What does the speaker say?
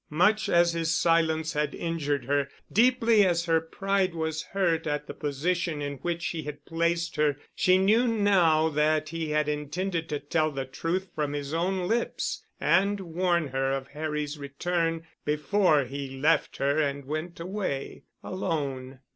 Much as his silence had injured her, deeply as her pride was hurt at the position in which he had placed her, she knew now that he had intended to tell the truth from his own lips and warn her of Harry's return before he left her and went away alone.